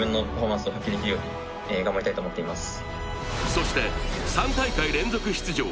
そして、３大会連続出場